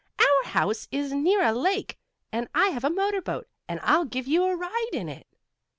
"Our house is near a lake, and I have a motor boat. And I'll give you a ride in it."